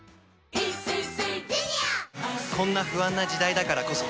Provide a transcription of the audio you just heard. こんな不安な時代だからこそ。